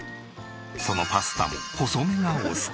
そのパスタも細めがお好き。